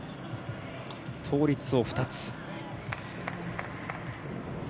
倒立を２つ。